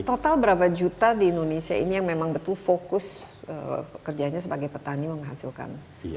total berapa juta di indonesia ini yang memang betul fokus kerjanya sebagai petani menghasilkan